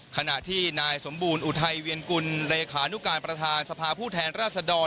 ขณะที่นายสมบูรณ์อุทัยเวียนกุลเลขานุการประธานสภาผู้แทนราชดร